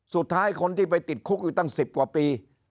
สุดท้ายคนที่ไปติดคุกอยู่ตั้ง๑๐กว่าปี